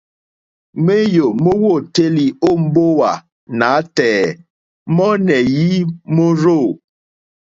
Ŋwéyò mówǒtélì ó mbówà nǎtɛ̀ɛ̀ mɔ́nɛ̀yí mórzô.